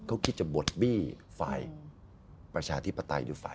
เขาคิดจะบดบี้ฝ่ายประชาธิปไตย